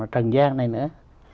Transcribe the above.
trần giang này nữa